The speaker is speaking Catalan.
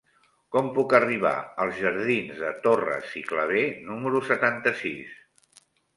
Com puc arribar als jardins de Torres i Clavé número setanta-sis?